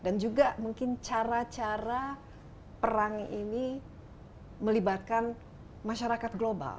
dan juga mungkin cara cara perang ini melibatkan masyarakat global